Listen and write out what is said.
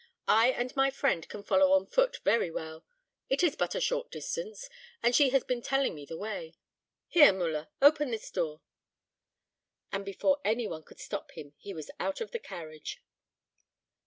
I and my friend can follow on foot very well. It is but a short distance, and she has been telling me the way. Here, Müller, open this door." And before any one could stop him he was out of the carriage.